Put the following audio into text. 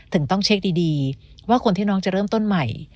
ถึงต้องเช็คดีว่าคนที่น้องจะเริ่มต้นใหม่